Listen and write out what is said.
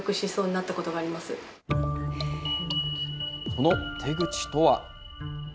その手口とは。